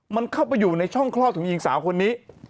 มันเข้าไปอยู่ในช่องคลอดของหญิงสาวคนนี้